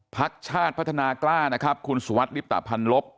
พักชาติพัฒนากล้าคุณสุวัชน์ลิพตาพันลบ